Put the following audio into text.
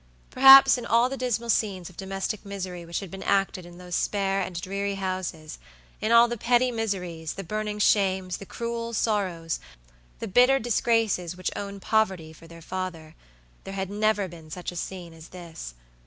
Perhaps in all the dismal scenes of domestic misery which had been acted in those spare and dreary housesin all the petty miseries, the burning shames, the cruel sorrows, the bitter disgraces which own poverty for their fatherthere had never been such a scene as this.